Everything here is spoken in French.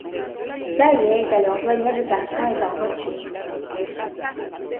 Dbaiyeh est alors joignable par train, et par voiture.